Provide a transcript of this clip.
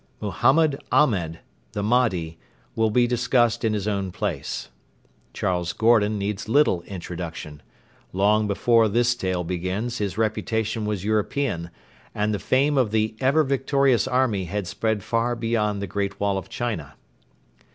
Mohammed Ahmed, 'The Mahdi,' will be discussed in his own place. Charles Gordon needs little introduction. Long before this tale begins his reputation was European, and the fame of the 'Ever victorious Army' had spread far beyond the Great Wall of China.